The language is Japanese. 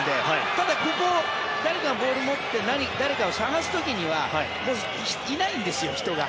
ただ、ここ誰かがボールを持って誰かを探す時にはもういないんですよ、人が。